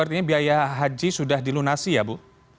artinya biaya haji sudah dilunasi ya bu